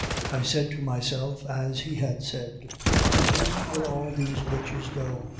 "I said to myself, as he had said, 'To whom will all these riches go?